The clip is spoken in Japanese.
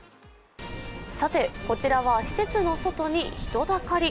さて、こちらは施設の外に人だかり。